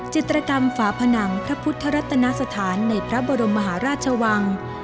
จิตรกรรมฝาผนังพระพุทธรัตนสถานในพระบรมมหาราชวัง